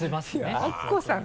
いやアッコさん